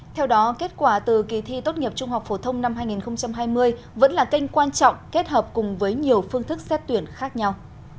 theo đó kết quả từ kỳ thi tốt nghiệp trung học phổ thông năm hai nghìn hai mươi vẫn là kênh quan trọng kết hợp cùng với nhiều phương thức xét tuyển khác nhau